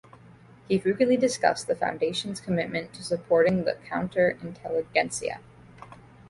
He frequently discussed the foundation's commitment to supporting the "counter-intelligentsia".